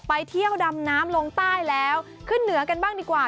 ไปเที่ยวดำน้ำลงใต้แล้วขึ้นเหนือกันบ้างดีกว่า